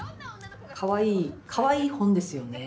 かわいいかわいい本ですよね。